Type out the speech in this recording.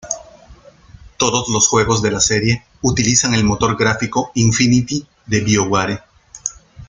Todos los juegos de la serie utilizan el motor gráfico Infinity de BioWare.